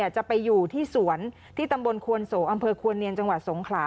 จะไปอยู่ที่สวนที่ตำบลควนโสอำเภอควรเนียนจังหวัดสงขลา